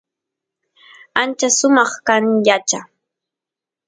ancha sumaq kan yacha